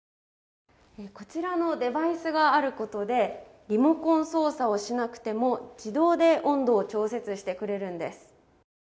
こちらのデバイスがあることで、リモコン操作をしなくても自動で温度を調節してくれるんです。